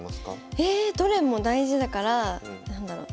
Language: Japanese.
えどれも大事だから何だろう？